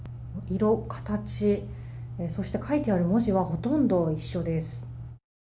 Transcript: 色、形、そして書いてある文字はほとんど一緒です。